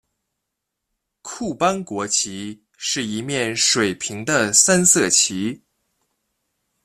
库班国旗是一面水平的三色旗。